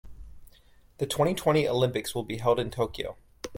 The twenty-twenty Olympics will be held in Tokyo.